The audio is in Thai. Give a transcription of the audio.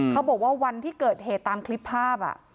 เขาบอกว่าวันที่เกิดเหตุตามคลิปภาพ